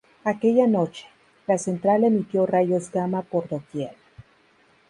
Aquella noche, la central emitió rayos Gamma por doquier.